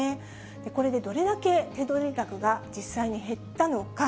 これでどれだけ手取り額が実際に減ったのか。